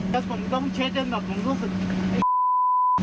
แล้วผมต้องเช็ดจนแบบผมรู้สึก